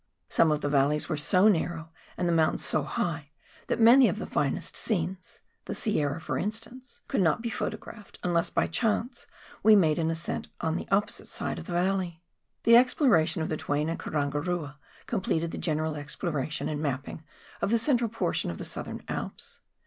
Some cf the valleys are so narrow and the mountains so high that many of the finest scenes — the Sierra, for instance — could not be photographed, unless by chance we made an ascent on the opposite side of the valley. The exploration of the Twain and Karangarua completed the general exploration and mapping of the central portion of the Southern Alps.